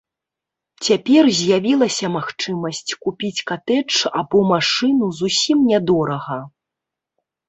Цяпер з'явілася магчымасць купіць катэдж або машыну зусім нядорага.